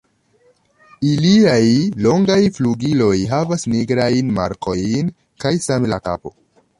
Iliaj longaj flugiloj havas nigrajn markojn kaj same la kapo.